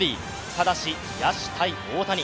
ただし野手×大谷。